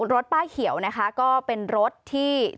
รถป้ายเขียวนะคะก็เป็นรถที่